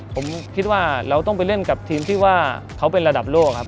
ผมคิดว่าเราต้องไปเล่นกับทีมที่ว่าเขาเป็นระดับโลกครับ